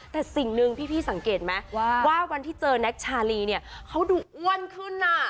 แต่สิ่งหนึ่งพี่สังเกตไหมว่าวันที่เจอแน็กชาลีเนี่ยเขาดูอ้วนขึ้น